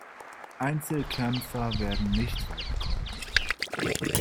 Einzelkämpfer werden nicht weit kommen.